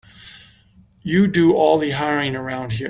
You do all the hiring around here.